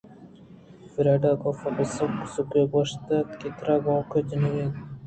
فریڈا! کاف ءَپہ سُک سُک گوٛشتکسے ترا گوانک جنگءَ اِنت